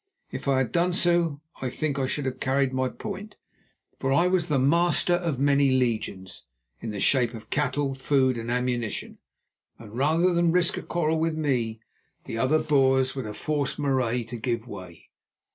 If I had done so, I think I should have carried my point, for I was the "master of many legions" in the shape of cattle, food and ammunition, and rather than risk a quarrel with me, the other Boers would have forced Marais to give way.